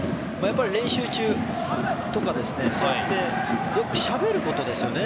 練習中とかにそうやってよくしゃべることですよね。